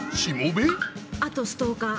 あとストーカー。